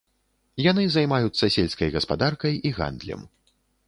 Яны займаюцца сельскай гаспадаркай і гандлем.